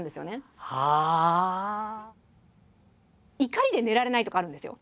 怒りで寝られないとかあるんですよ。